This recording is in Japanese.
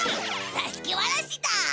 ざしきわらしだ！